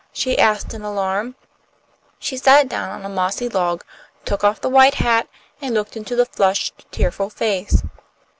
she asked, in alarm. She sat down on a mossy log, took off the white hat, and looked into the flushed, tearful face.